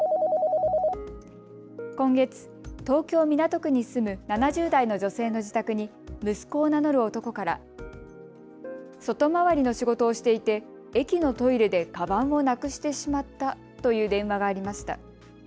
今月、東京港区に住む７０代の女性の自宅に息子を名乗る男から外回りの仕事をしていて駅のトイレでかばんをなくしてしまったという電話がありました。